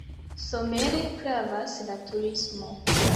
Somere gravas la turismo.